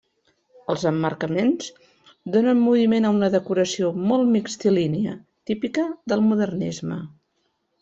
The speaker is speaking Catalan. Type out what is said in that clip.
Els emmarcaments donen moviment a una decoració molt mixtilínia, típica del modernisme.